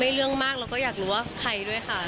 เรื่องมากเราก็อยากรู้ว่าใครด้วยค่ะ